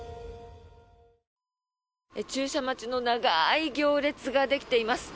駐車待ちの長い行列ができています。